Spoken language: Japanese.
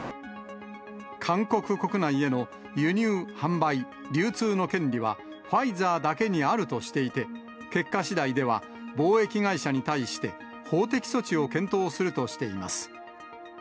韓国国内への輸入、販売、流通の権利は、ファイザーだけにあるとしていて、結果しだいでは、貿易会社に対して、法的措置を検討するとしています。